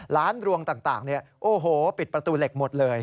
ร้านรวงต่างปิดประตูเหล็กหมดเลย